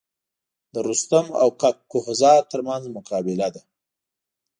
د رستم او کک کهزاد تر منځ مقابله ده.